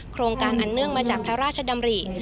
โครงการอันเนื่องมาจากพระราชดำริ